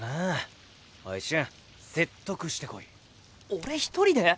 俺１人で？